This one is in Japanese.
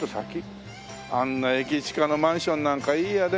あんな駅近のマンションなんかいいよね。